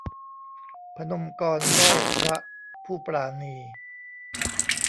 พนมกรไหว้พระผู้ปราณี